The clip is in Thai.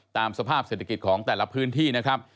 ตามสภาพเศรษฐกิจของแต่ละพื้นที่นะครับ